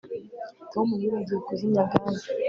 Tom yibagiwe kuzimya gaze